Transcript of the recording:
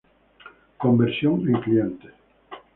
Conversión en clientes.